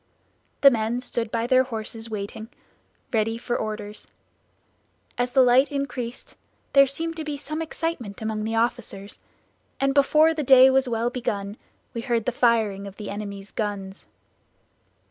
The men stood by their horses waiting, ready for orders. As the light increased there seemed to be some excitement among the officers; and before the day was well begun we heard the firing of the enemy's guns.